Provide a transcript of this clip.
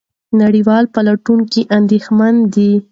نړیوال پلټونکي اندېښمن دي.